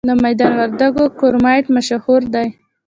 د میدان وردګو کرومایټ مشهور دی؟